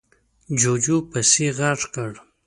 جُوجُو پسې غږ کړ: